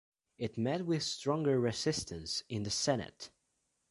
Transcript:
It met with stronger resistance in the Senate.